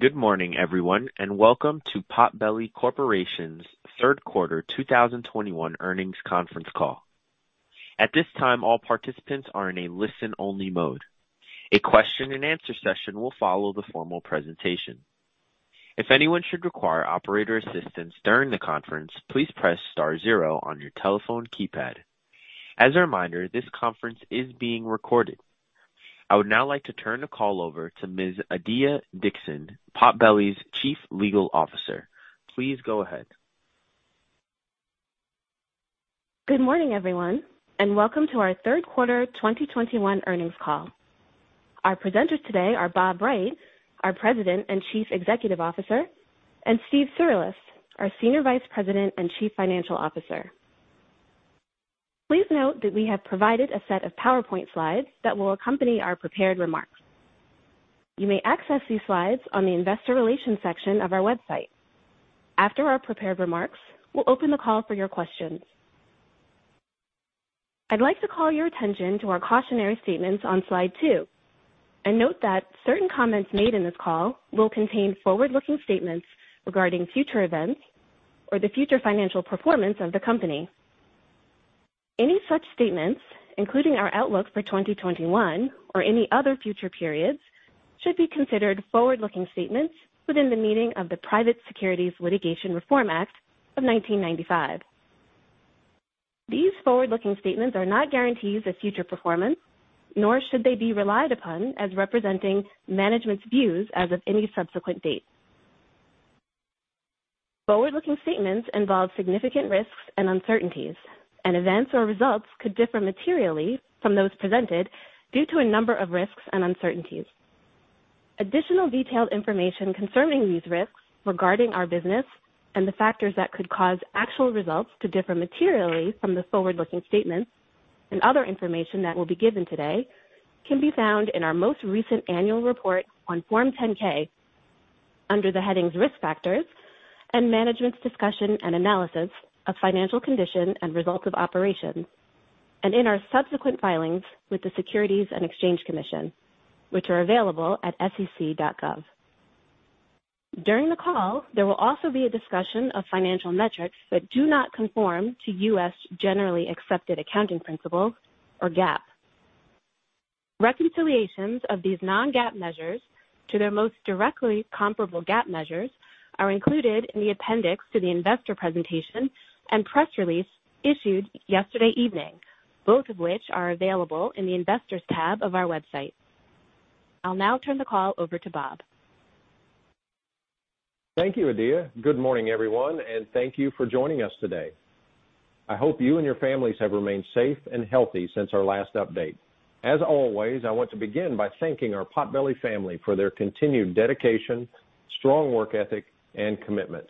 Good morning, everyone, and welcome to Potbelly Corporation's Third Quarter 2021 Earnings Conference Call. At this time, all participants are in a listen-only mode. A question-and-answer session will follow the formal presentation. If anyone should require operator assistance during the conference, please press star zero on your telephone keypad. As a reminder, this conference is being recorded. I would now like to turn the call over to Ms. Adiya Dixon, Potbelly's Chief Legal Officer. Please go ahead. Good morning, everyone, and welcome to our Third Quarter 2021 Earnings Call. Our presenters today are Bob Wright, our President and Chief Executive Officer, and Steve Cirulis, our Senior Vice President and Chief Financial Officer. Please note that we have provided a set of PowerPoint slides that will accompany our prepared remarks. You may access these slides on the investor relations section of our website. After our prepared remarks, we'll open the call for your questions. I'd like to call your attention to our cautionary statements on slide two, and note that certain comments made in this call will contain forward-looking statements regarding future events or the future financial performance of the company. Any such statements, including our outlook for 2021 or any other future periods, should be considered forward-looking statements within the meaning of the Private Securities Litigation Reform Act of 1995. These forward-looking statements are not guarantees of future performance, nor should they be relied upon as representing management's views as of any subsequent date. Forward-looking statements involve significant risks and uncertainties, and events or results could differ materially from those presented due to a number of risks and uncertainties. Additional detailed information concerning these risks regarding our business and the factors that could cause actual results to differ materially from the forward-looking statements and other information that will be given today can be found in our most recent annual report on Form 10-K under the headings Risk Factors and Management's Discussion and Analysis of Financial Condition and Results of Operations, and in our subsequent filings with the Securities and Exchange Commission, which are available at sec.gov. During the call, there will also be a discussion of financial metrics that do not conform to U.S. generally accepted accounting principles, or GAAP. Reconciliations of these non-GAAP measures to their most directly comparable GAAP measures are included in the appendix to the investor presentation and press release issued yesterday evening, both of which are available in the Investors tab of our website. I'll now turn the call over to Bob. Thank you, Adiya. Good morning, everyone, and thank you for joining us today. I hope you and your families have remained safe and healthy since our last update. As always, I want to begin by thanking our Potbelly family for their continued dedication, strong work ethic, and commitment.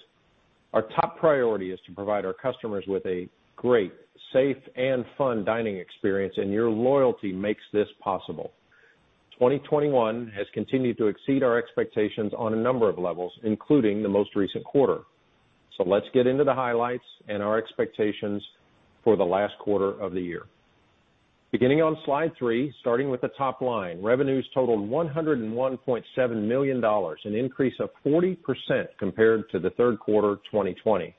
Our top priority is to provide our customers with a great, safe, and fun dining experience, and your loyalty makes this possible. 2021 has continued to exceed our expectations on a number of levels, including the most recent quarter. Let's get into the highlights and our expectations for the last quarter of the year. Beginning on slide three, starting with the top line, revenues totaled $101.7 million, an increase of 40% compared to the third quarter 2020,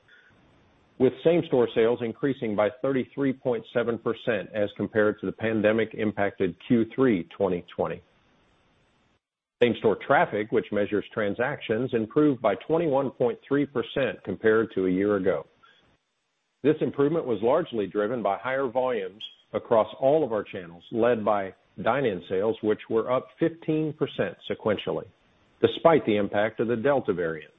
with same-store sales increasing by 33.7% as compared to the pandemic-impacted Q3 2020. Same-store traffic, which measures transactions, improved by 21.3% compared to a year ago. This improvement was largely driven by higher volumes across all of our channels, led by dine-in sales, which were up 15% sequentially, despite the impact of the Delta variant.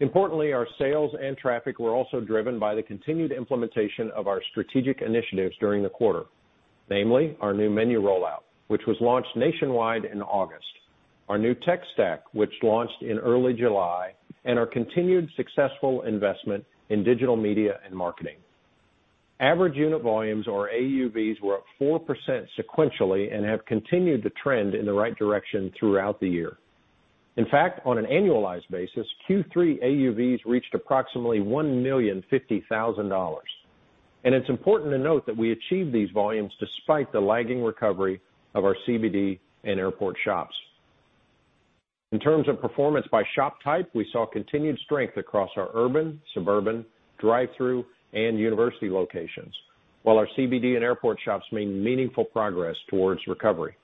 Importantly, our sales and traffic were also driven by the continued implementation of our strategic initiatives during the quarter, namely our new menu rollout, which was launched nationwide in August, our new tech stack, which launched in early July, and our continued successful investment in digital media and marketing. Average unit volumes, or AUVs, were up 4% sequentially and have continued to trend in the right direction throughout the year. In fact, on an annualized basis, Q3 AUVs reached approximately $1,050,000. It's important to note that we achieved these volumes despite the lagging recovery of our CBD and airport shops. In terms of performance by shop type, we saw continued strength across our urban, suburban, drive-through, and university locations, while our CBD and airport shops made meaningful progress towards recovery.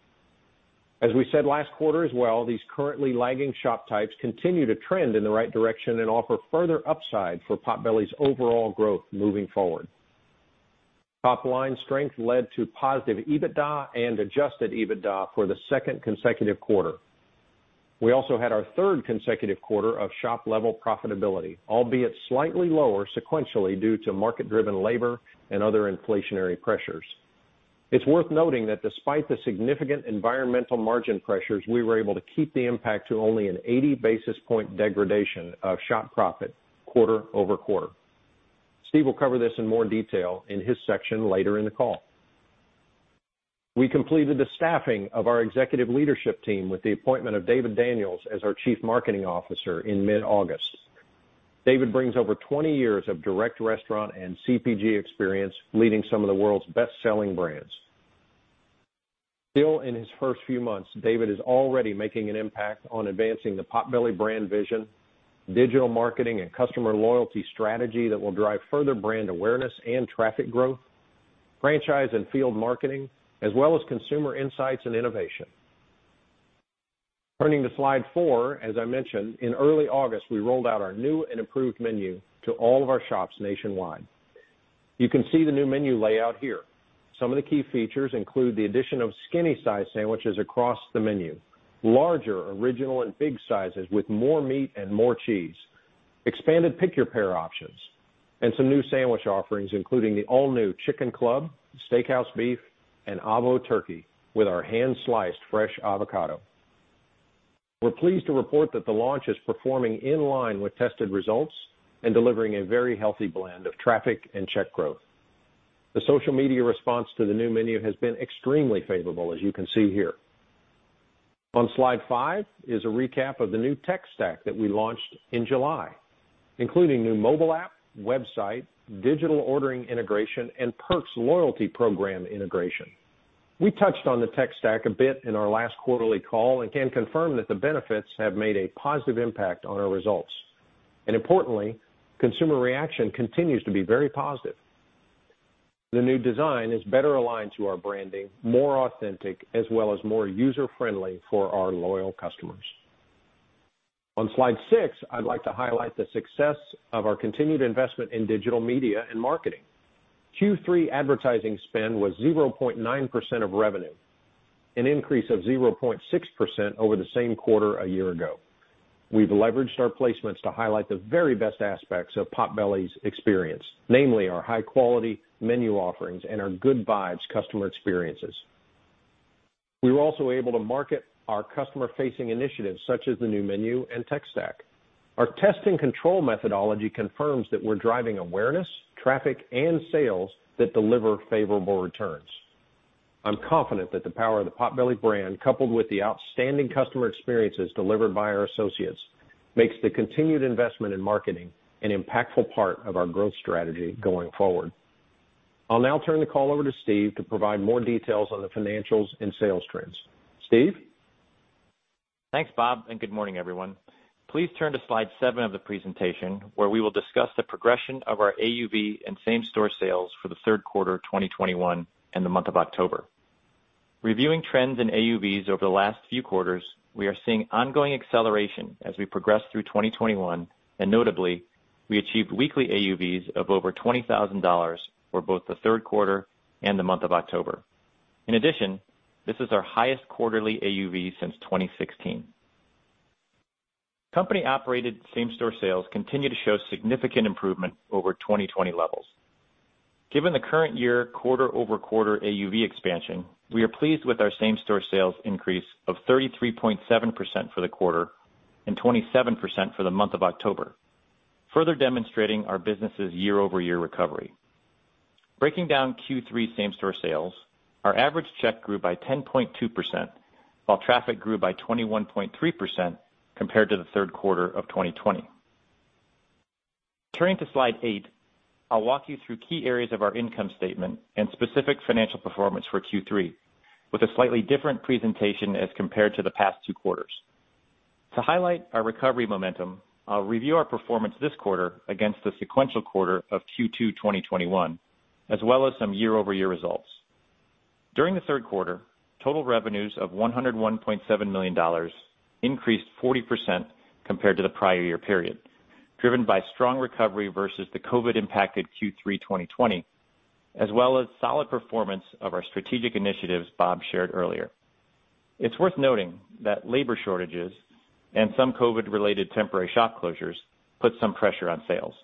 As we said last quarter as well, these currently lagging shop types continue to trend in the right direction and offer further upside for Potbelly's overall growth moving forward. Top-line strength led to positive EBITDA and adjusted EBITDA for the second consecutive quarter. We also had our third consecutive quarter of shop-level profitability, albeit slightly lower sequentially due to market-driven labor and other inflationary pressures. It's worth noting that despite the significant environmental margin pressures, we were able to keep the impact to only an 80 basis point degradation of shop profit quarter over quarter. Steve will cover this in more detail in his section later in the call. We completed the staffing of our executive leadership team with the appointment of David Daniels as our Chief Marketing Officer in mid-August. David brings over 20 years of direct restaurant and CPG experience leading some of the world's best-selling brands. Still in his first few months, David is already making an impact on advancing the Potbelly brand vision, digital marketing and customer loyalty strategy that will drive further brand awareness and traffic growth, franchise and field marketing, as well as consumer insights and innovation. Turning to slide four, as I mentioned, in early August, we rolled out our new and improved menu to all of our shops nationwide. You can see the new menu layout here. Some of the key features include the addition of skinny size sandwiches across the menu, larger original and big sizes with more meat and more cheese, expanded pick your pair options, and some new sandwich offerings, including the all-new Chicken Club, Steakhouse Beef, and Avo Turkey with our hand-sliced fresh avocado. We're pleased to report that the launch is performing in line with tested results and delivering a very healthy blend of traffic and check growth. The social media response to the new menu has been extremely favorable, as you can see here. On slide five is a recap of the new tech stack that we launched in July, including new mobile app, website, digital ordering integration, and Perks loyalty program integration. We touched on the tech stack a bit in our last quarterly call and can confirm that the benefits have made a positive impact on our results. Importantly, consumer reaction continues to be very positive. The new design is better aligned to our branding, more authentic, as well as more user-friendly for our loyal customers. On slide six, I'd like to highlight the success of our continued investment in digital media and marketing. Q3 advertising spend was 0.9% of revenue, an increase of 0.6% over the same quarter a year ago. We've leveraged our placements to highlight the very best aspects of Potbelly's experience, namely our high-quality menu offerings and our good vibes customer experiences. We were also able to market our customer-facing initiatives such as the new menu and tech stack. Our test and control methodology confirms that we're driving awareness, traffic, and sales that deliver favorable returns. I'm confident that the power of the Potbelly brand, coupled with the outstanding customer experiences delivered by our associates, makes the continued investment in marketing an impactful part of our growth strategy going forward. I'll now turn the call over to Steve to provide more details on the financials and sales trends. Steve? Thanks, Bob, and good morning, everyone. Please turn to slide seven of the presentation, where we will discuss the progression of our AUV and same-store sales for the third quarter of 2021 and the month of October. Reviewing trends in AUVs over the last few quarters, we are seeing ongoing acceleration as we progress through 2021, and notably, we achieved weekly AUVs of over $20,000 for both the third quarter and the month of October. In addition, this is our highest quarterly AUV since 2016. Company-operated same-store sales continue to show significant improvement over 2020 levels. Given the current year quarter-over-quarter AUV expansion, we are pleased with our same-store sales increase of 33.7% for the quarter and 27% for the month of October, further demonstrating our business's year-over-year recovery. Breaking down Q3 same-store sales, our average check grew by 10.2%, while traffic grew by 21.3% compared to the third quarter of 2020. Turning to slide eight, I'll walk you through key areas of our income statement and specific financial performance for Q3. With a slightly different presentation as compared to the past two quarters. To highlight our recovery momentum, I'll review our performance this quarter against the sequential quarter of Q2 2021, as well as some year-over-year results. During the third quarter, total revenues of $101.7 million increased 40% compared to the prior year period, driven by strong recovery versus the COVID impacted Q3 2020, as well as solid performance of our strategic initiatives Bob shared earlier. It's worth noting that labor shortages and some COVID-related temporary shop closures put some pressure on sales.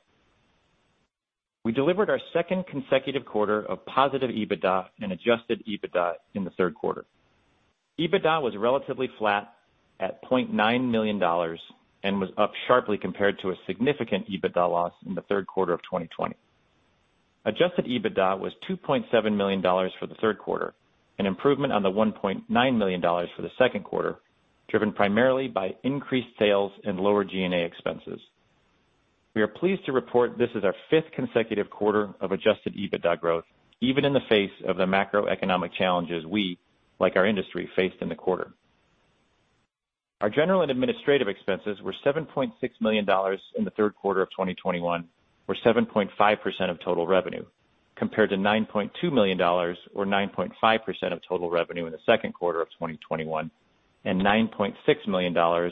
We delivered our second consecutive quarter of positive EBITDA and adjusted EBITDA in the third quarter. EBITDA was relatively flat at $0.9 million and was up sharply compared to a significant EBITDA loss in the third quarter of 2020. Adjusted EBITDA was $2.7 million for the third quarter, an improvement on the $1.9 million for the second quarter, driven primarily by increased sales and lower G&A expenses. We are pleased to report this is our fifth consecutive quarter of adjusted EBITDA growth, even in the face of the macroeconomic challenges we, like our industry, faced in the quarter. Our general and administrative expenses were $7.6 million in the third quarter of 2021, or 7.5% of total revenue, compared to $9.2 million or 9.5% of total revenue in the second quarter of 2021, and $9.6 million or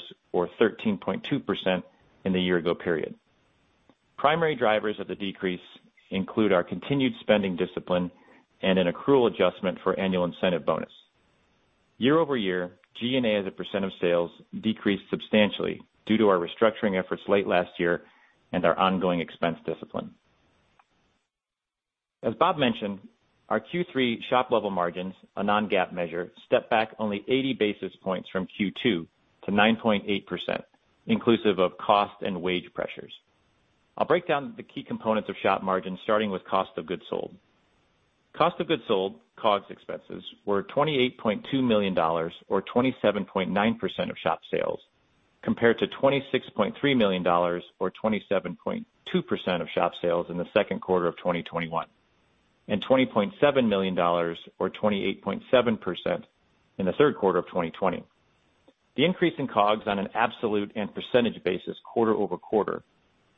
13.2% in the year ago period. Primary drivers of the decrease include our continued spending discipline and an accrual adjustment for annual incentive bonus. Year over year, G&A as a percent of sales decreased substantially due to our restructuring efforts late last year and our ongoing expense discipline. As Bob mentioned, our Q3 shop level margins, a non-GAAP measure, stepped back only 80 basis points from Q2 to 9.8%, inclusive of cost and wage pressures. I'll break down the key components of shop margins, starting with cost of goods sold. Cost of goods sold, COGS expenses, were $28.2 million or 27.9% of shop sales. Compared to $26.3 million or 27.2% of shop sales in the second quarter of 2021, and $20.7 million or 28.7% in the third quarter of 2020. The increase in COGS on an absolute and percentage basis quarter-over-quarter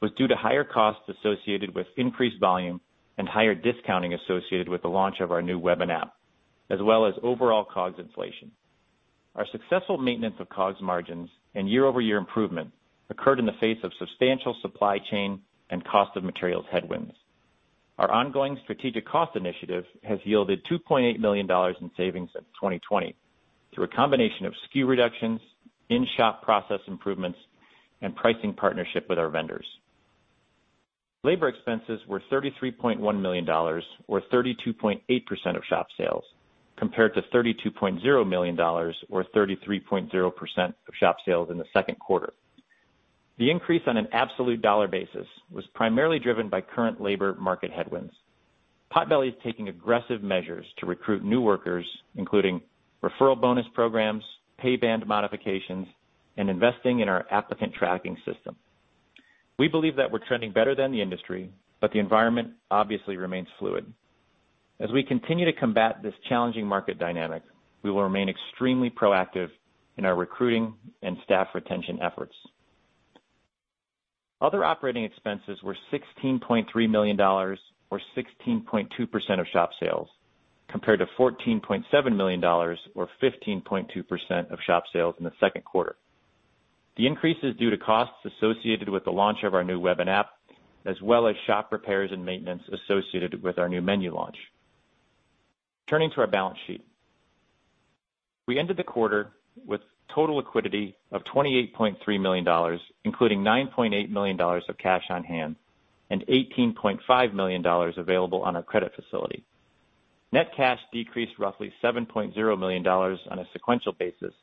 was due to higher costs associated with increased volume and higher discounting associated with the launch of our new web and app, as well as overall COGS inflation. Our successful maintenance of COGS margins and year-over-year improvement occurred in the face of substantial supply chain and cost of materials headwinds. Our ongoing strategic cost initiative has yielded $2.8 million in savings in 2020 through a combination of SKU reductions, in-shop process improvements, and pricing partnership with our vendors. Labor expenses were $33.1 million or 32.8% of shop sales, compared to $32.0 million or 33.0% of shop sales in the second quarter. The increase on an absolute dollar basis was primarily driven by current labor market headwinds. Potbelly is taking aggressive measures to recruit new workers, including referral bonus programs, pay band modifications, and investing in our applicant tracking system. We believe that we're trending better than the industry, but the environment obviously remains fluid. As we continue to combat this challenging market dynamic, we will remain extremely proactive in our recruiting and staff retention efforts. Other operating expenses were $16.3 million or 16.2% of shop sales, compared to $14.7 million or 15.2% of shop sales in the second quarter. The increase is due to costs associated with the launch of our new web and app, as well as shop repairs and maintenance associated with our new menu launch. Turning to our balance sheet. We ended the quarter with total liquidity of $28.3 million, including $9.8 million of cash on hand and $18.5 million available on our credit facility. Net cash decreased roughly $7.0 million on a sequential basis,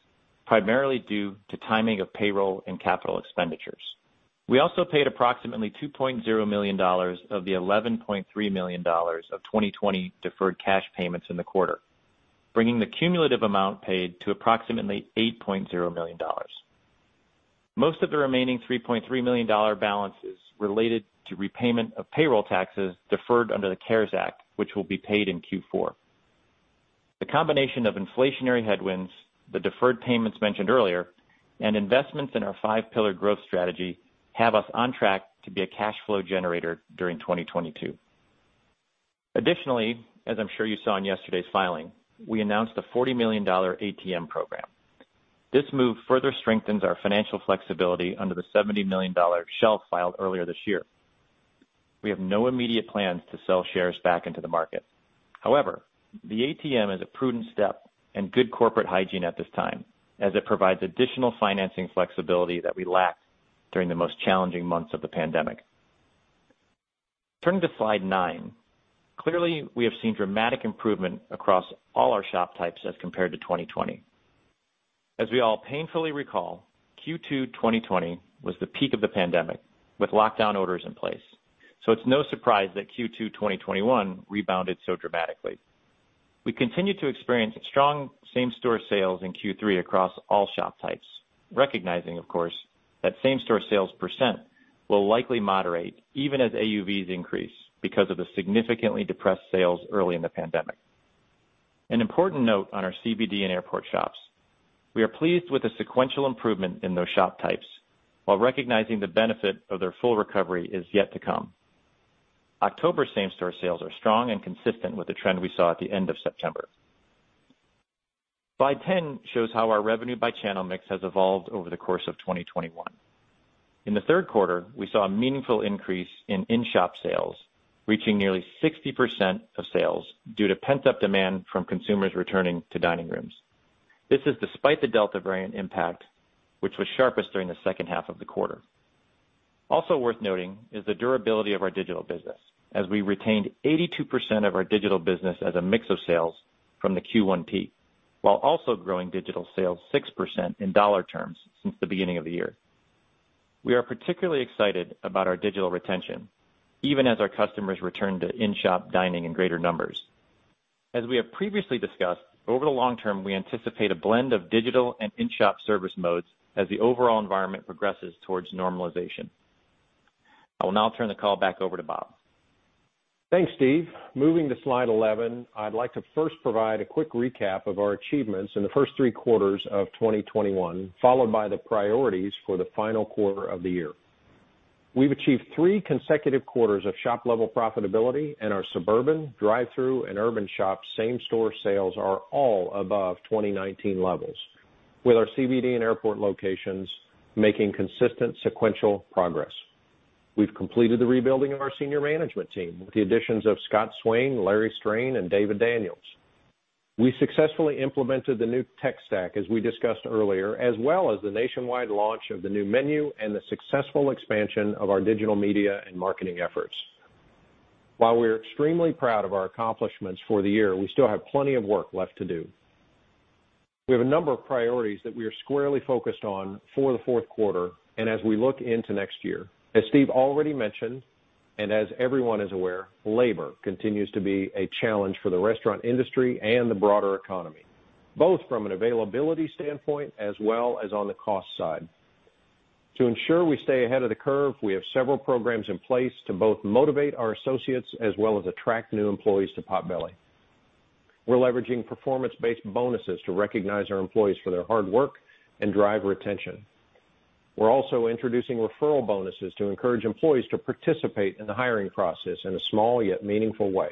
primarily due to timing of payroll and capital expenditures. We also paid approximately $2.0 million of the $11.3 million of 2020 deferred cash payments in the quarter, bringing the cumulative amount paid to approximately $8.0 million. Most of the remaining $3.3 million balance is related to repayment of payroll taxes deferred under the CARES Act, which will be paid in Q4. The combination of inflationary headwinds, the deferred payments mentioned earlier, and investments in our five-pillar growth strategy have us on track to be a cash flow generator during 2022. Additionally, as I'm sure you saw in yesterday's filing, we announced a $40 million ATM program. This move further strengthens our financial flexibility under the $70 million shelf filed earlier this year. We have no immediate plans to sell shares back into the market. However, the ATM is a prudent step and good corporate hygiene at this time, as it provides additional financing flexibility that we lacked during the most challenging months of the pandemic. Turning to slide nine. Clearly, we have seen dramatic improvement across all our shop types as compared to 2020. As we all painfully recall, Q2 2020 was the peak of the pandemic, with lockdown orders in place. It's no surprise that Q2 2021 rebounded so dramatically. We continue to experience strong same-store sales in Q3 across all shop types, recognizing, of course, that same-store sales % will likely moderate even as AUVs increase because of the significantly depressed sales early in the pandemic. An important note on our CBD and airport shops. We are pleased with the sequential improvement in those shop types while recognizing the benefit of their full recovery is yet to come. October same-store sales are strong and consistent with the trend we saw at the end of September. Slide 10 shows how our revenue by channel mix has evolved over the course of 2021. In the third quarter, we saw a meaningful increase in in-shop sales, reaching nearly 60% of sales due to pent-up demand from consumers returning to dining rooms. This is despite the Delta variant impact, which was sharpest during the second half of the quarter. Also worth noting is the durability of our digital business, as we retained 82% of our digital business as a mix of sales from the Q1 peak. While also growing digital sales 6% in dollar terms since the beginning of the year. We are particularly excited about our digital retention, even as our customers return to in-shop dining in greater numbers. As we have previously discussed, over the long term, we anticipate a blend of digital and in-shop service modes as the overall environment progresses towards normalization. I will now turn the call back over to Bob. Thanks, Steve. Moving to slide 11, I'd like to first provide a quick recap of our achievements in the first three quarters of 2021, followed by the priorities for the final quarter of the year. We've achieved three consecutive quarters of shop-level profitability in our suburban, drive-through, and urban shops. Same-store sales are all above 2019 levels, with our CBD and airport locations making consistent sequential progress. We've completed the rebuilding of our senior management team with the additions of Scott Swain, Larry Strain, and David Daniels. We successfully implemented the new tech stack as we discussed earlier, as well as the nationwide launch of the new menu and the successful expansion of our digital media and marketing efforts. While we're extremely proud of our accomplishments for the year, we still have plenty of work left to do. We have a number of priorities that we are squarely focused on for the fourth quarter and as we look into next year. As Steve already mentioned and as everyone is aware, labor continues to be a challenge for the restaurant industry and the broader economy. Both from an availability standpoint as well as on the cost side. To ensure we stay ahead of the curve, we have several programs in place to both motivate our associates as well as attract new employees to Potbelly. We're leveraging performance-based bonuses to recognize our employees for their hard work and drive retention. We're also introducing referral bonuses to encourage employees to participate in the hiring process in a small yet meaningful way.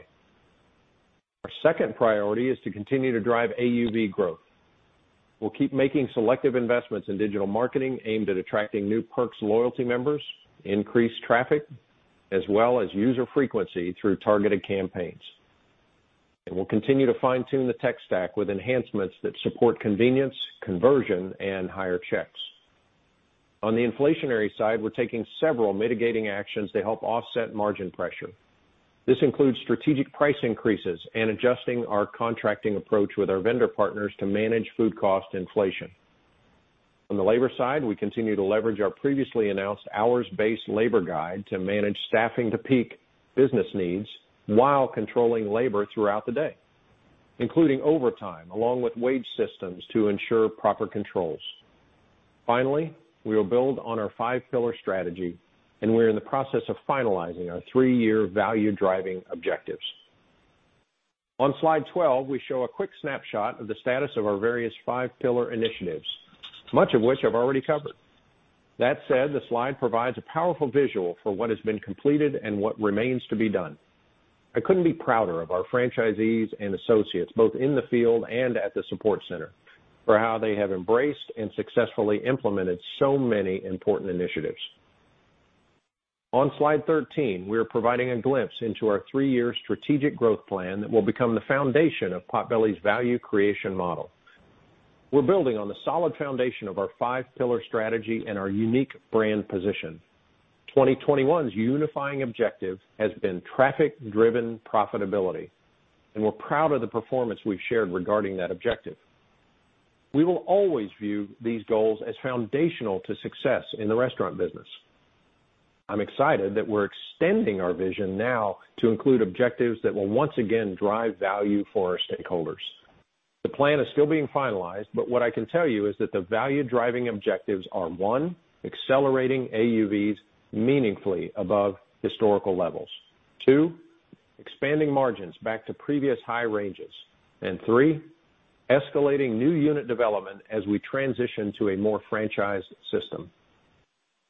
Our second priority is to continue to drive AUV growth. We'll keep making selective investments in digital marketing aimed at attracting new Perks loyalty members, increase traffic, as well as user frequency through targeted campaigns. We'll continue to fine-tune the tech stack with enhancements that support convenience, conversion, and higher checks. On the inflationary side, we're taking several mitigating actions to help offset margin pressure. This includes strategic price increases and adjusting our contracting approach with our vendor partners to manage food cost inflation. On the labor side, we continue to leverage our previously announced hours-based labor guide to manage staffing to peak business needs while controlling labor throughout the day, including overtime, along with wage systems to ensure proper controls. Finally, we will build on our five-pillar strategy, and we are in the process of finalizing our three-year value-driving objectives. On slide 12, we show a quick snapshot of the status of our various five-pillar initiatives, much of which I've already covered. That said, the slide provides a powerful visual for what has been completed and what remains to be done. I couldn't be prouder of our franchisees and associates, both in the field and at the support center, for how they have embraced and successfully implemented so many important initiatives. On slide 13, we are providing a glimpse into our three-year strategic growth plan that will become the foundation of Potbelly's value creation model. We're building on the solid foundation of our five-pillar strategy and our unique brand position. 2021's unifying objective has been traffic-driven profitability, and we're proud of the performance we've shared regarding that objective. We will always view these goals as foundational to success in the restaurant business. I'm excited that we're extending our vision now to include objectives that will once again drive value for our stakeholders. The plan is still being finalized, but what I can tell you is that the value-driving objectives are, one, accelerating AUVs meaningfully above historical levels. Two, expanding margins back to previous high ranges. Three, escalating new unit development as we transition to a more franchised system.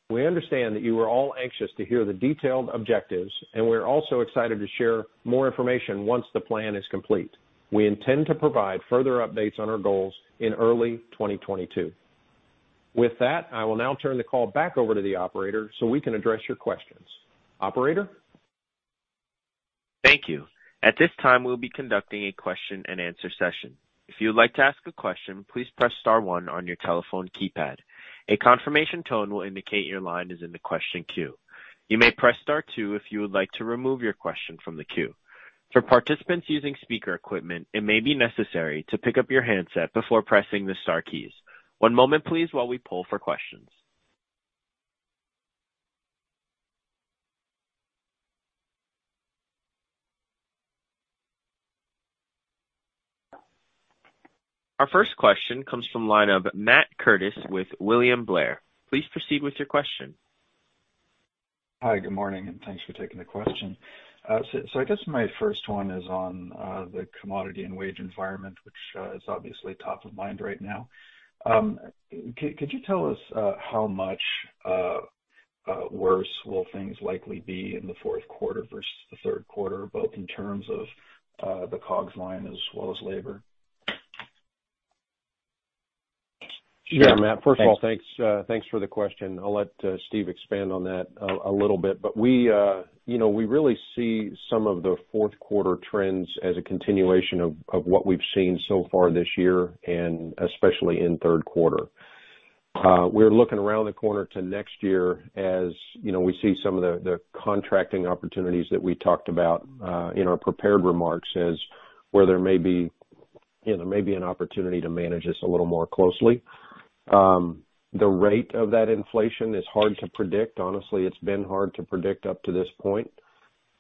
We understand that you are all anxious to hear the detailed objectives, and we're also excited to share more information once the plan is complete. We intend to provide further updates on our goals in early 2022. With that, I will now turn the call back over to the operator so we can address your questions. Operator? Thank you. At this time, we will be conducting a question-and-answer session. If you would like to ask a question, please press star one on your telephone keypad. A confirmation tone will indicate your line is in the question queue. You may press star two if you would like to remove your question from the queue. For participants using speaker equipment, it may be necessary to pick up your handset before pressing the star keys. One moment please while we poll for questions. Our first question comes from the line of Matt Curtis with William Blair. Please proceed with your question. Hi, good morning, and thanks for taking the question. I guess my first one is on the commodity and wage environment, which is obviously top of mind right now. Could you tell us how much worse will things likely be in the fourth quarter versus the third quarter, both in terms of the COGS line as well as labor? Sure, Matt. First of all, thanks for the question. I'll let Steve expand on that a little bit. We really see some of the fourth quarter trends as a continuation of what we've seen so far this year, and especially in third quarter. We're looking around the corner to next year as you know we see some of the contracting opportunities that we talked about in our prepared remarks as where there may be you know an opportunity to manage this a little more closely. The rate of that inflation is hard to predict. Honestly, it's been hard to predict up to this point.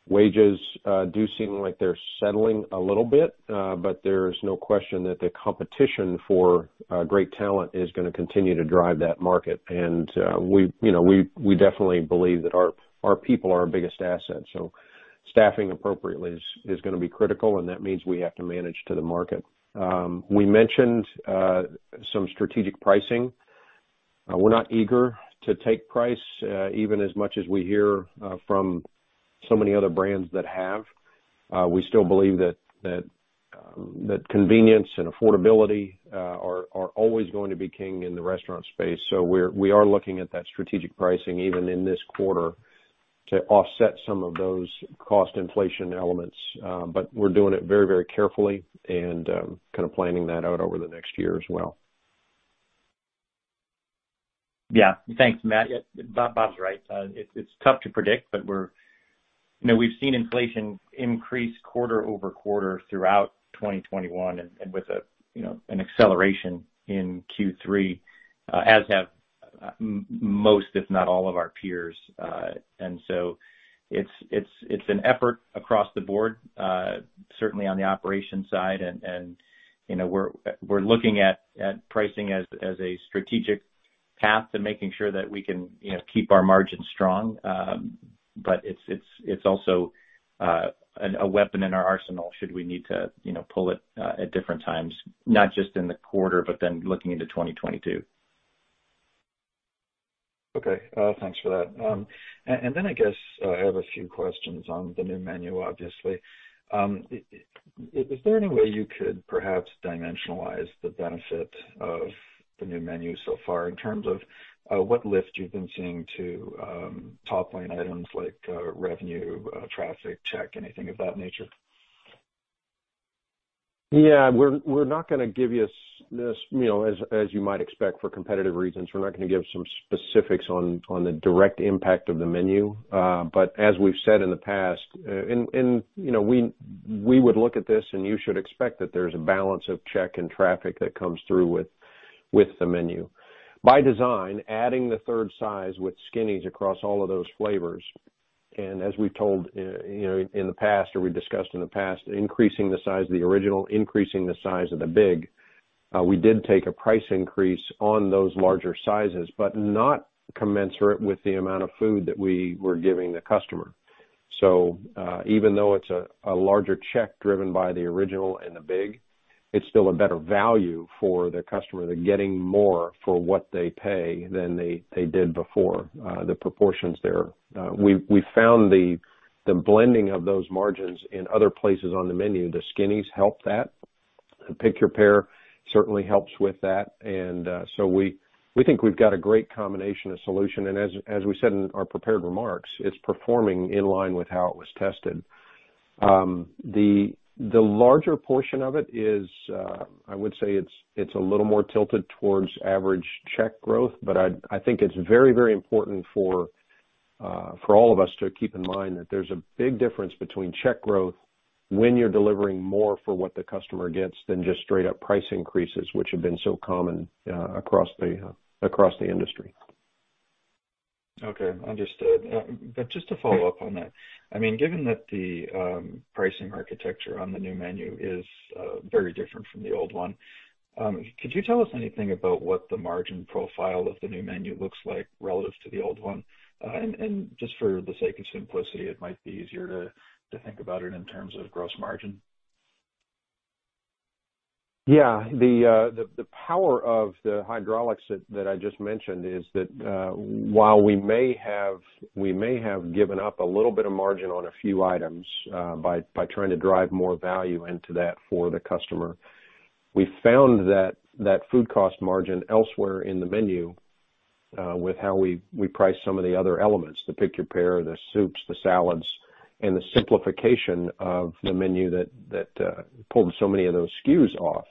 Wages do seem like they're settling a little bit, but there's no question that the competition for great talent is gonna continue to drive that market. We definitely believe that our people are our biggest asset. Staffing appropriately is gonna be critical, and that means we have to manage to the market. We mentioned some strategic pricing. We're not eager to take price even as much as we hear from so many other brands that have. We still believe that convenience and affordability are always going to be king in the restaurant space. We are looking at that strategic pricing even in this quarter to offset some of those cost inflation elements. We're doing it very carefully and kind of planning that out over the next year as well. Yeah. Thanks, Matt. Yeah, Bob's right. It's tough to predict, but you know, we've seen inflation increase quarter over quarter throughout 2021 and with a you know, an acceleration in Q3, as have most, if not all of our peers. It's an effort across the board, certainly on the operations side. We're looking at pricing as a strategic path to making sure that we can keep our margins strong. But it's also a weapon in our arsenal should we need to pull it at different times, not just in the quarter, but then looking into 2022. Okay. Thanks for that. I guess I have a few questions on the new menu, obviously. Is there any way you could perhaps dimensionalize the benefit of the new menu so far in terms of what lift you've been seeing to top line items like revenue, traffic, check, anything of that nature? Yeah. We're not gonna give you some, you know, as you might expect for competitive reasons, we're not gonna give some specifics on the direct impact of the menu. But as we've said in the past, and you know, we would look at this and you should expect that there's a balance of check and traffic that comes through with the menu. By design, adding the third size with skinnies across all of those flavors, and as we told, you know, in the past or we discussed in the past, increasing the size of the original, increasing the size of the big, we did take a price increase on those larger sizes, but not commensurate with the amount of food that we were giving the customer. Even though it's a larger check driven by the original and the big, it's still a better value for the customer. They're getting more for what they pay than they did before, the proportions there. We found the blending of those margins in other places on the menu. The skinnies help that. Pick your pair certainly helps with that. We think we've got a great combination of solution. As we said in our prepared remarks, it's performing in line with how it was tested. The larger portion of it is, I would say it's a little more tilted towards average check growth. I think it's very, very important for all of us to keep in mind that there's a big difference between check growth when you're delivering more for what the customer gets than just straight up price increases, which have been so common across the industry. Okay. Understood. Just to follow up on that, I mean, given that the pricing architecture on the new menu is very different from the old one, could you tell us anything about what the margin profile of the new menu looks like relative to the old one? Just for the sake of simplicity, it might be easier to think about it in terms of gross margin. Yeah. The power of the hydraulics that I just mentioned is that while we may have given up a little bit of margin on a few items by trying to drive more value into that for the customer, we found that food cost margin elsewhere in the menu with how we price some of the other elements, the pick your pair, the soups, the salads, and the simplification of the menu that pulled so many of those SKUs off.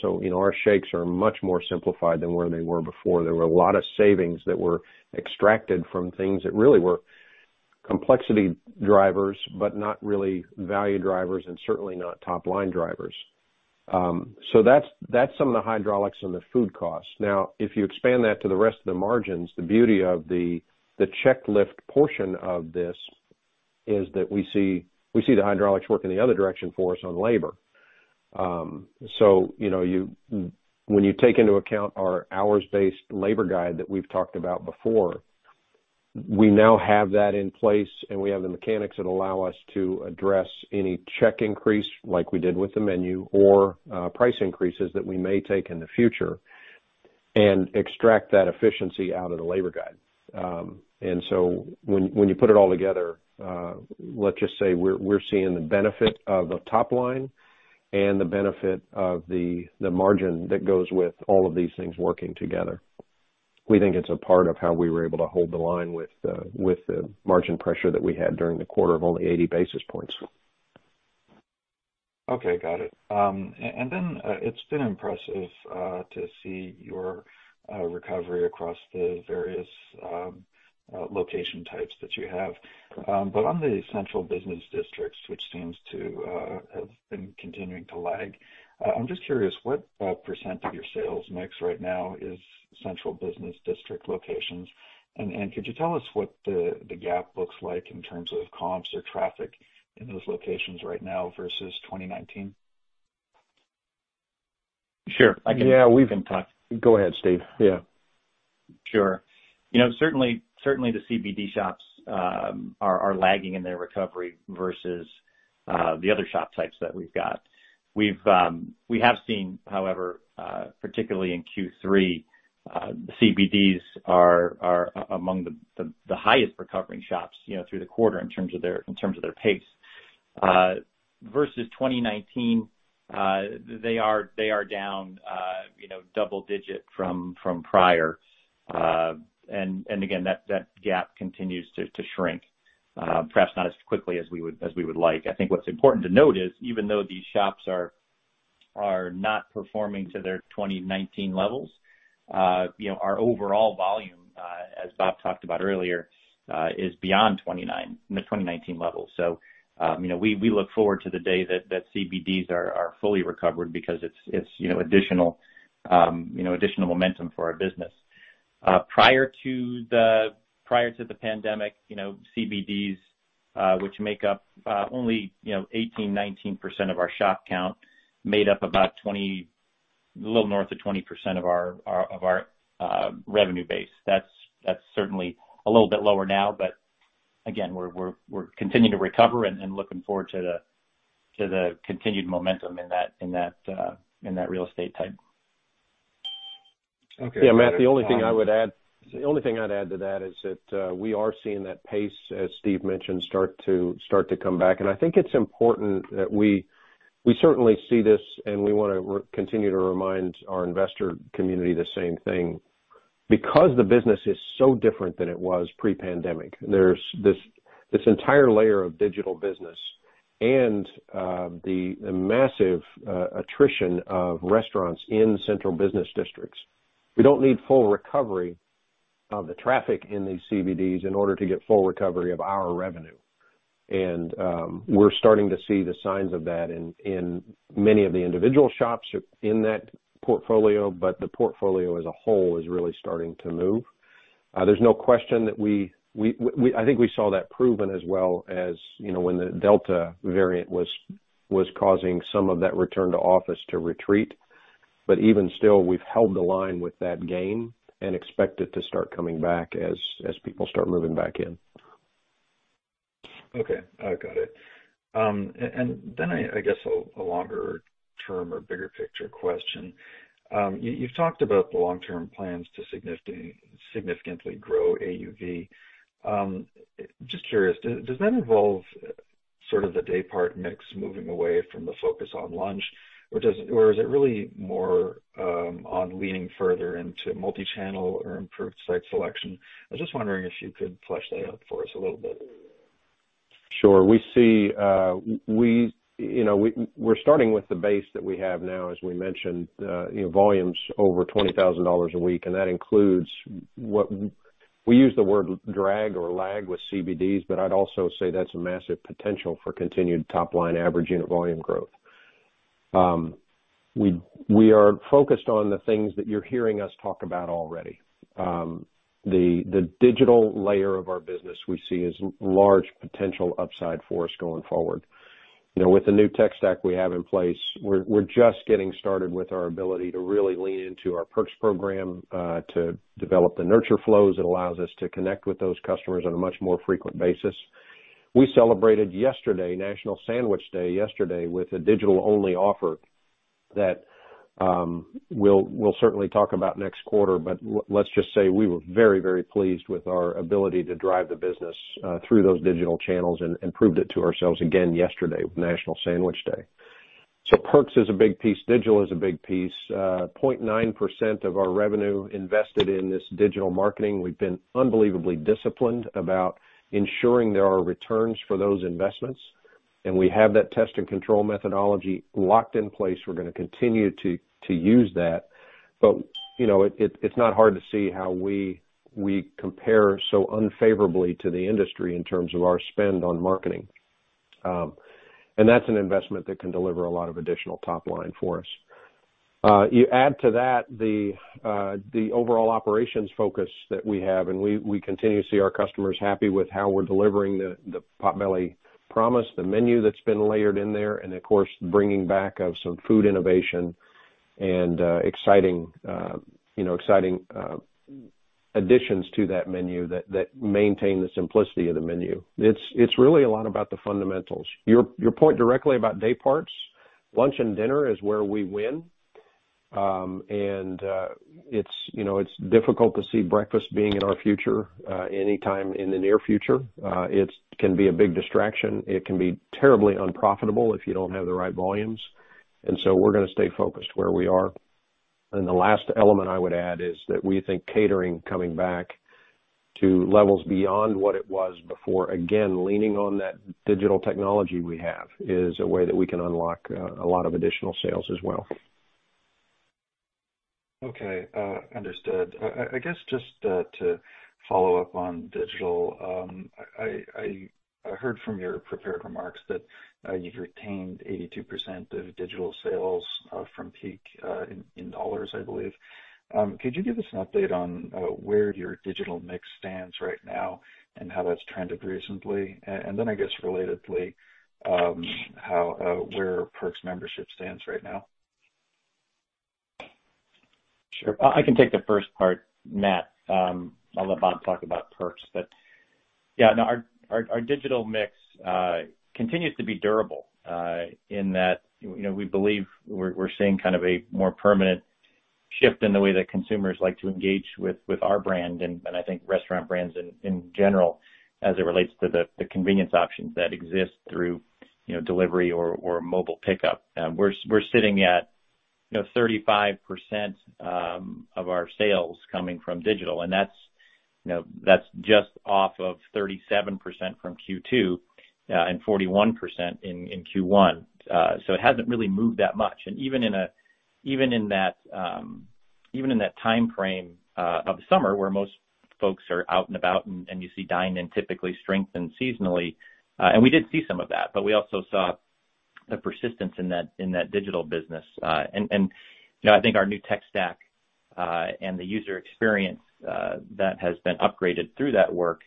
You know, our shakes are much more simplified than where they were before. There were a lot of savings that were extracted from things that really were complexity drivers, but not really value drivers and certainly not top line drivers. That's some of the hydraulics and the food costs. Now, if you expand that to the rest of the margins, the beauty of the check lift portion of this is that we see the hydraulics work in the other direction for us on labor. So, you know, when you take into account our hours-based labor guide that we've talked about before, we now have that in place, and we have the mechanics that allow us to address any check increase. Like we did with the menu or price increases that we may take in the future and extract that efficiency out of the labor guide. When you put it all together, let's just say we're seeing the benefit of the top line and the benefit of the margin that goes with all of these things working together. We think it's a part of how we were able to hold the line with the margin pressure that we had during the quarter of only 80 basis points. Okay. Got it. Then it's been impressive to see your recovery across the various location types that you have. On the central business districts, which seems to have been continuing to lag, I'm just curious, what percent of your sales mix right now is central business district locations? And could you tell us what the gap looks like in terms of comps or traffic in those locations right now versus 2019? Sure. Yeah. We can talk. Go ahead, Steve. Yeah. Sure. You know, certainly the CBD shops are lagging in their recovery versus the other shop types that we've got. We have seen, however, particularly in Q3, CBDs are among the highest recovering shops, you know, through the quarter in terms of their pace. Versus 2019, they are down, you know, double digit from prior. Again, that gap continues to shrink. Perhaps not as quickly as we would like. I think what's important to note is, even though these shops are not performing to their 2019 levels. You know, our overall volume, as Bob talked about earlier, is beyond the 2019 level. You know, we look forward to the day that CBDs are fully recovered because it's you know additional you know additional momentum for our business. Prior to the pandemic, you know, CBDs, which make up only you know 18%-19% of our shop count, made up about a little north of 20% of our revenue base. That's certainly a little bit lower now, but again, we're continuing to recover and looking forward to the continued momentum in that real estate type. Okay. Yeah, Matt, the only thing I'd add to that is that we are seeing that pace, as Steve mentioned, start to come back. I think it's important that we certainly see this, and we want to continue to remind our investor community the same thing. Because the business is so different than it was pre-pandemic, there's this entire layer of digital business and the massive attrition of restaurants in central business districts. We don't need full recovery of the traffic in these CBDs in order to get full recovery of our revenue. We're starting to see the signs of that in many of the individual shops in that portfolio, but the portfolio as a whole is really starting to move. There's no question that we. I think we saw that proven as well as, you know, when the Delta variant was causing some of that return to office to retreat. Even still, we've held the line with that gain and expect it to start coming back as people start moving back in. Okay. Got it. And then I guess a longer term or bigger picture question. You've talked about the long-term plans to significantly grow AUV. Just curious, does that involve sort of the day part mix moving away from the focus on lunch, or is it really more on leaning further into multi-channel or improved site selection? I was just wondering if you could flesh that out for us a little bit. Sure. We see, you know, we're starting with the base that we have now, as we mentioned, you know, volumes over $20,000 a week, and that includes what we use the word drag or lag with CBDs, but I'd also say that's a massive potential for continued top line average unit volume growth. We are focused on the things that you're hearing us talk about already. The digital layer of our business we see as large potential upside for us going forward. You know, with the new tech stack we have in place, we're just getting started with our ability to really lean into our perks program to develop the nurture flows. It allows us to connect with those customers on a much more frequent basis. We celebrated yesterday, National Sandwich Day, with a digital-only offer that we'll certainly talk about next quarter. Let's just say we were very, very pleased with our ability to drive the business through those digital channels and proved it to ourselves again yesterday with National Sandwich Day. Perks is a big piece. Digital is a big piece. 0.9% of our revenue invested in this digital marketing. We've been unbelievably disciplined about ensuring there are returns for those investments. And we have that test and control methodology locked in place. We're gonna continue to use that. You know, it's not hard to see how we compare so unfavorably to the industry in terms of our spend on marketing. That's an investment that can deliver a lot of additional top line for us. You add to that the overall operations focus that we have, and we continue to see our customers happy with how we're delivering the Potbelly promise, the menu that's been layered in there, and of course, bringing back some food innovation and exciting, you know, exciting additions to that menu. That maintain the simplicity of the menu. It's really a lot about the fundamentals. Your point directly about day parts, lunch and dinner is where we win. It's, you know, it's difficult to see breakfast being in our future anytime in the near future. It can be a big distraction. It can be terribly unprofitable if you don't have the right volumes. We're gonna stay focused where we are. The last element I would add is that we think catering coming back to levels beyond what it was before, again, leaning on that digital technology we have, is a way that we can unlock a lot of additional sales as well. Okay, understood. I guess just to follow up on digital, I heard from your prepared remarks that you've retained 82% of digital sales from peak in dollars, I believe. Could you give us an update on where your digital mix stands right now and how that's trended recently? I guess relatedly, how your Perks membership stands right now. Sure. I can take the first part, Matt. I'll let Bob talk about perks. Yeah, no, our digital mix continues to be durable in that, you know, we believe we're seeing kind of a more permanent shift in the way that consumers like to engage with our brand and I think restaurant brands in general as it relates to the convenience options that exist through, you know, delivery or mobile pickup. We're sitting at, you know, 35% of our sales coming from digital, and that's just off of 37% from Q2 and 41% in Q1. So it hasn't really moved that much. Even in that timeframe of summer, where most folks are out and about and you see dine-in typically strengthen seasonally, and we did see some of that, but we also saw the persistence in that digital business. You know, I think our new tech stack and the user experience that has been upgraded through that work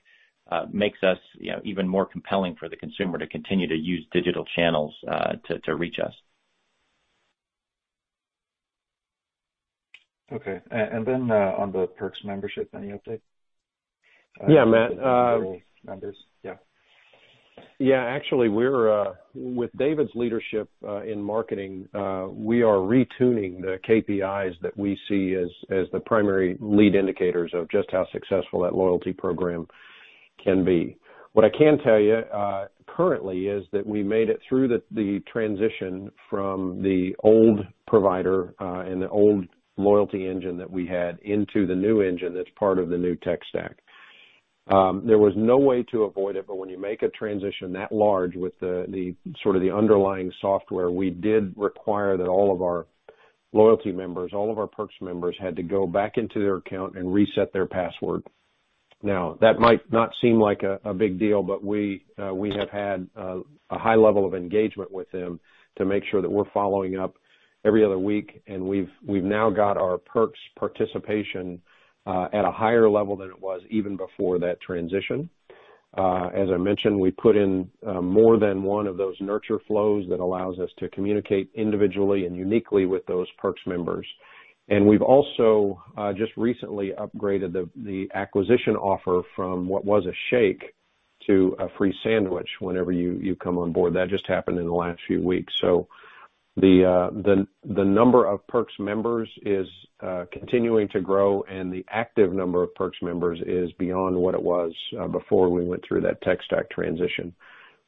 makes us, you know, even more compelling for the consumer to continue to use digital channels to reach us. Okay. On the Perks membership, any update? Yeah, Matt, Members. Yeah. Yeah. Actually, we're with David's leadership in marketing, we are retuning the KPIs that we see as the primary leading indicators of just how successful that loyalty program can be. What I can tell you currently is that we made it through the transition from the old provider and the old loyalty engine that we had into the new engine that's part of the new tech stack. There was no way to avoid it, but when you make a transition that large with the sort of underlying software, we did require that all of our loyalty members, all of our Perks members, had to go back into their account and reset their password. Now, that might not seem like a big deal, but we have had a high level of engagement with them to make sure that we're following up every other week. We've now got our Perks participation at a higher level than it was even before that transition. As I mentioned, we put in more than one of those nurture flows that allows us to communicate individually and uniquely with those Perks members. We've also just recently upgraded the acquisition offer from what was a shake to a free sandwich whenever you come on board. That just happened in the last few weeks. The number of Perks members is continuing to grow, and the active number of Perks members is beyond what it was before we went through that tech stack transition.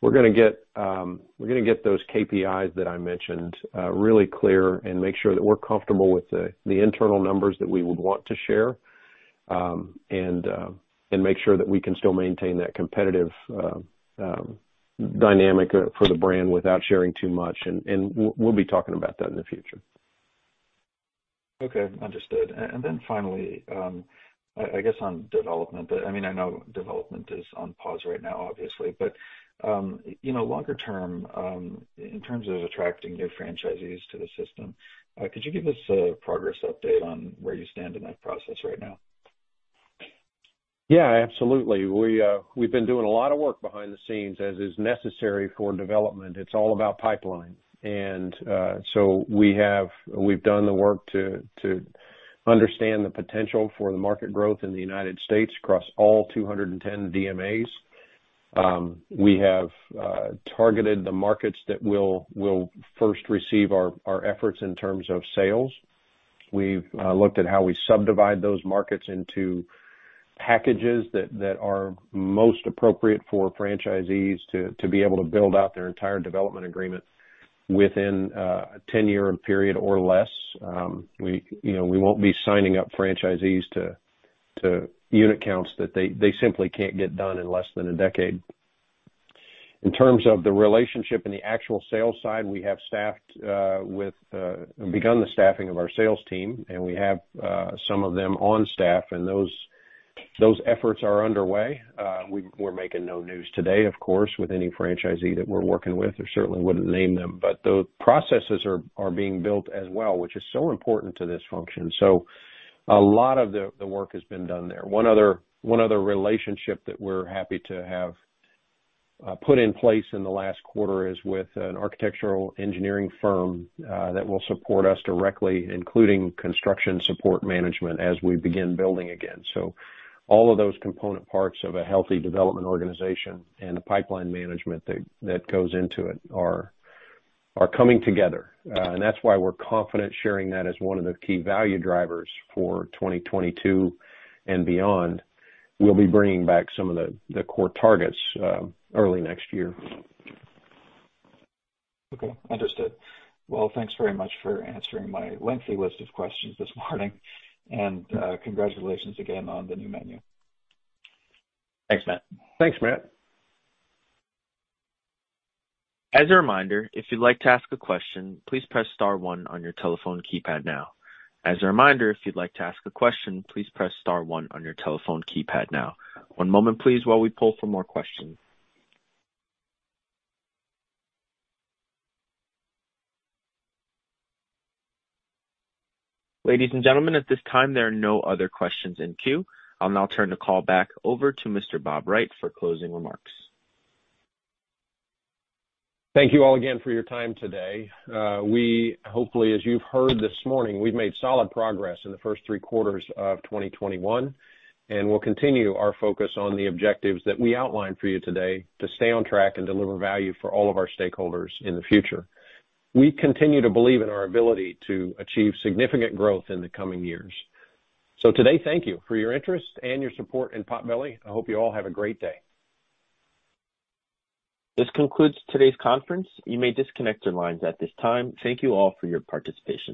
We're gonna get those KPIs that I mentioned really clear and make sure that we're comfortable with the internal numbers that we would want to share and make sure that we can still maintain that competitive dynamic for the brand without sharing too much. We'll be talking about that in the future. Okay. Understood. Finally, I guess on development, I mean, I know development is on pause right now, obviously. You know, longer term, in terms of attracting new franchisees to the system, could you give us a progress update on where you stand in that process right now? Yeah. Absolutely. We've been doing a lot of work behind the scenes, as is necessary for development. It's all about pipeline. We've done the work to understand the potential for the market growth in the United States across all 210 DMAs. We have targeted the markets that will first receive our efforts in terms of sales. We've looked at how we subdivide those markets into packages that are most appropriate for franchisees to be able to build out their entire development agreement within a 10-year period or less. You know, we won't be signing up franchisees to unit counts that they simply can't get done in less than a decade. In terms of the relationship in the actual sales side, we have begun the staffing of our sales team, and we have some of them on staff, and those efforts are underway. We're making no news today, of course, with any franchisee that we're working with. I certainly wouldn't name them. The processes are being built as well, which is so important to this function. A lot of the work has been done there. One other relationship that we're happy to have put in place in the last quarter is with an architectural engineering firm that will support us directly, including construction support management as we begin building again. All of those component parts of a healthy development organization and the pipeline management that goes into it are coming together. That's why we're confident sharing that as one of the key value drivers for 2022 and beyond. We'll be bringing back some of the core targets early next year. Okay. Understood. Well, thanks very much for answering my lengthy list of questions this morning. Congratulations again on the new menu. Thanks, Matt. Thanks, Matt. As a reminder, if you'd like to ask a question, please press star one on your telephone keypad now. One moment, please, while we poll for more questions. Ladies and gentlemen, at this time, there are no other questions in queue. I'll now turn the call back over to Mr. Bob Wright for closing remarks. Thank you all again for your time today. Hopefully, as you've heard this morning, we've made solid progress in the first three quarters of 2021, and we'll continue our focus on the objectives that we outlined for you today to stay on track and deliver value for all of our stakeholders in the future. We continue to believe in our ability to achieve significant growth in the coming years. Today, thank you for your interest and your support in Potbelly. I hope you all have a great day. This concludes today's conference. You may disconnect your lines at this time. Thank you all for your participation.